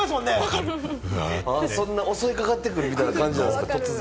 そんな襲いかかってくるみたいな感じなんです？